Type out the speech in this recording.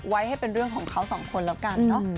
ไว้ให้เป็นเรื่องของเขาสองคนแล้วกันเนอะ